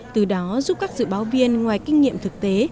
từ đó giúp các dự báo viên ngoài kinh nghiệm thực tế